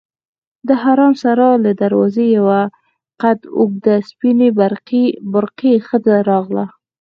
د حرم سرا له دروازې یوه قد اوږده سپینې برقعې ښځه راغله.